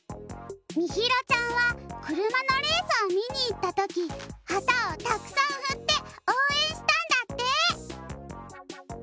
みひろちゃんはくるまのレースをみにいったときはたをたくさんふっておうえんしたんだって。